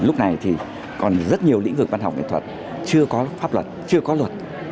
lúc này thì còn rất nhiều lĩnh vực văn học nghệ thuật chưa có pháp luật chưa có luật